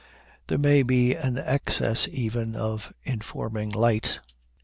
There may be an excess even of informing light.